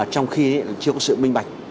trong khi chưa có sự minh bạch